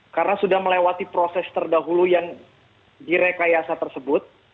karena sudah melewati proses terdahulu yang direkayasa tersebut